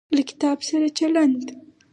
له کتاب سره چلند